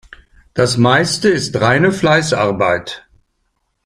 Das Meiste ist reine Fleißarbeit.